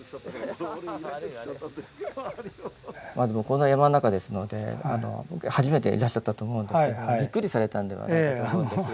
まずもうこんな山の中ですので初めていらっしゃったと思うんですけどびっくりされたんではないかと思うんですが。